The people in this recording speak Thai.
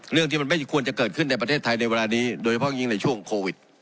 เรื่องที่มันไม่ควรจะเกิดขึ้นในประเทศไทยในเวลานี้โดยเฉพาะยิ่งในช่วงโควิด